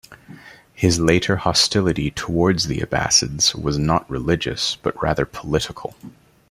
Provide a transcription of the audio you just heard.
His later hostility towards the Abbasids was not religious but rather political.